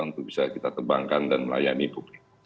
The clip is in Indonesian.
untuk bisa kita terbangkan dan melayani publik